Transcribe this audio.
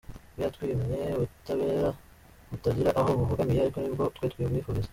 We yatwimwe ubutabera butagira aho bubogamiye, ariko nibwo twe tumwifuriza.